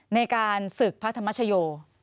ในการศึกพระธรรมชโย